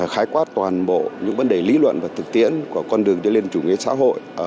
khái quát toàn bộ những vấn đề lý luận và thực tiễn của con đường đi lên chủ nghĩa xã hội